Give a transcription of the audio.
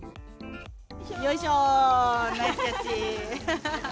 よいしょ、ナイスキャッチ。